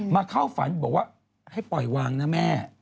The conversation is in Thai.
เข้าฝันบอกว่าให้ปล่อยวางนะแม่